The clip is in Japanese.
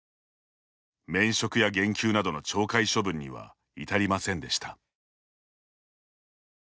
免職や減給などの懲戒処分には至りませんでした。